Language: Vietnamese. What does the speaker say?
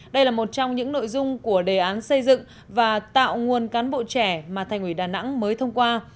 đây là một trong những nội dung của đề án xây dựng và tạo nguồn cán bộ trẻ mà thành ủy đà nẵng mới thông qua